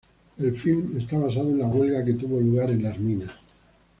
El film está basado en la huelga que tuvo lugar en las minas.